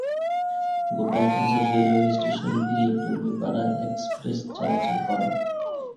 Gopalganj railway station দিয়ে Tungipara express চলাচল করে।